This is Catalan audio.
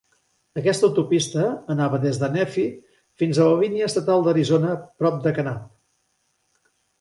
Aquesta autopista anava des de Nefi fins a la línia estatal d'Arizona prop de Kanab.